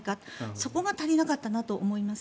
そこが足りなかったなと思います。